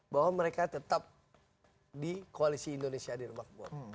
bahwa mereka tetap di koalisi indonesia adil makmur